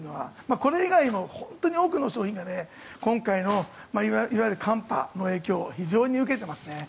これ以外にも本当に多くの商品が今回のいわゆる寒波の影響を非常に受けていますね。